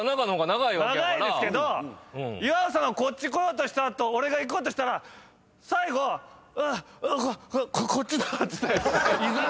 長いですけど岩尾さんがこっち来ようとした後俺が行こうとしたら最後「こっちだ」っつっていざないました僕を。